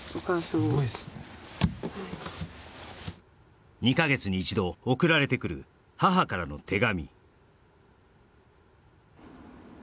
はい２カ月に一度送られてくる母からの手紙